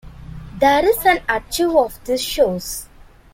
There is an archive of these shows.